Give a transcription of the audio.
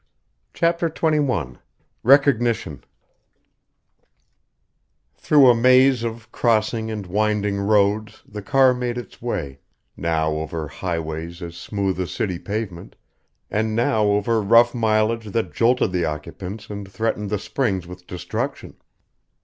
CHAPTER XXI RECOGNITION Through a maze of crossing and winding roads the car made its way, now over highways as smooth as a city pavement, and now over rough mileage that jolted the occupants and threatened the springs with destruction.